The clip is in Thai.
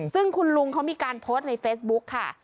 ซึ่งคุณลุงเขามีการโพสต์ในเฟซบุ๊คค่ะ